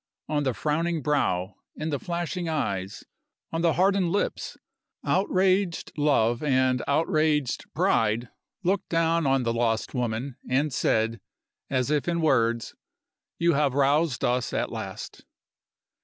On the frowning brow, in the flashing eyes, on the hardened lips, outraged love and outraged pride looked down on the lost woman, and said, as if in words, You have roused us at last.